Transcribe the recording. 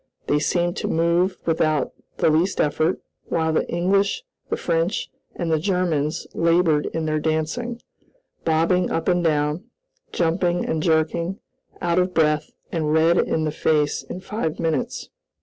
They seemed to move without the least effort, while the English, the French, and the Germans labored in their dancing, bobbing up and down, jumping and jerking, out of breath and red in the face in five minutes.